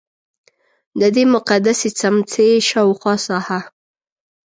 ددې مقدسې څمڅې شاوخوا ساحه.